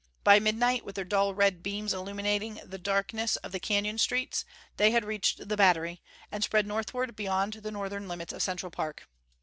By midnight, with their dull red beams illumining the darkness of the canyon streets, they had reached the Battery, and spread northward beyond the northern limits of Central Park.